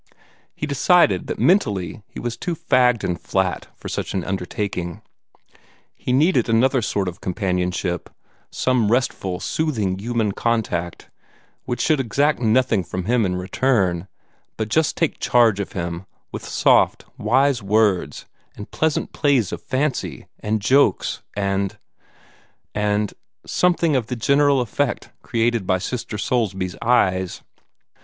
He decided that mentally he was too fagged and flat for such an undertaking. He needed another sort of companionship some restful, soothing human contact, which should exact nothing from him in return, but just take charge of him, with soft, wise words and pleasant plays of fancy, and jokes and and something of the general effect created by Sister Soulsby's eyes.